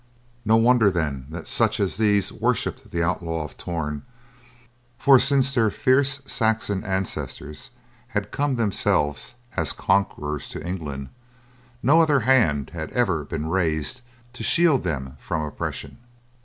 No wonder then that such as these worshipped the Outlaw of Torn, for since their fierce Saxon ancestors had come, themselves as conquerors, to England, no other hand had ever been raised to shield them from oppression.